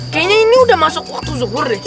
kayaknya ini udah masuk waktu zuhur nih